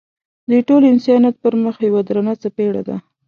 د ټول انسانیت پر مخ یوه درنه څپېړه ده.